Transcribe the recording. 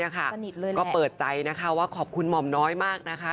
ก็เปิดใจนะคะว่าขอบคุณหม่อมน้อยมากนะคะ